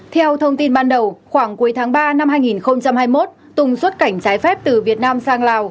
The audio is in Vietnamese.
theo thông tin ban đầu khoảng cuối tháng ba năm hai nghìn hai mươi một tùng xuất cảnh trái phép từ việt nam sang lào